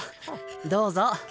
どうぞ。